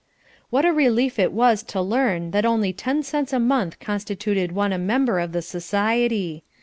What a relief it was to learn that only ten cents a month constituted one a member of the society.